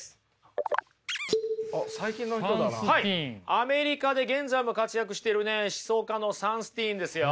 アメリカで現在も活躍してるね思想家のサンスティーンですよ。